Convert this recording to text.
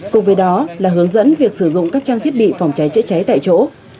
cùng với đó là hướng dẫn việc sử dụng các trang thiết bị phòng cháy chữa cháy tại chỗ